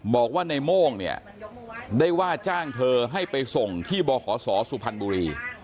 บอกว่าในโม่งเนี่ยได้ว่าจ้างเธอให้ไปส่งที่บขศสุพรรณบุรี